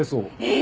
え